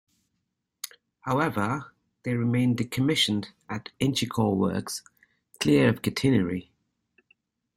However, they remain decommissioned at Inchicore Works, clear of catenary.